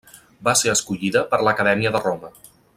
Va ser escollida per a l'Acadèmia de Roma.